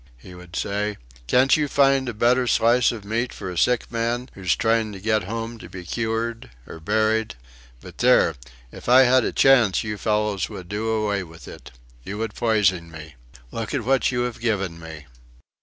He would say: "Can't you find a better slice of meat for a sick man who's trying to get home to be cured or buried? But there! If I had a chance, you fellows would do away with it. You would poison me. Look at what you have given me!"